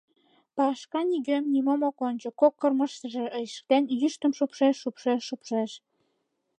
Пашка нигӧм, нимом ок ончо — кок кормыжешыже ишыктен, йӱштым шупшеш, шупшеш, шупшеш...